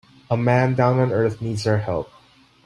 A man down on earth needs our help.